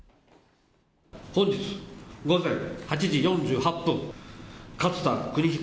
本日午前８時４８分、勝田州彦